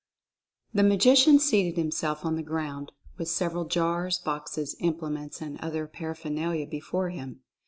The Magician seated himself on the ground, with several jars, boxes, implements, and other parapher nalia before him.